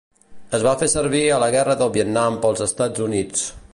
Es va fer servir a la Guerra del Vietnam pels Estats Units.